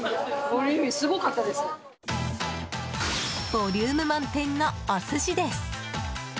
ボリューム満点のお寿司です！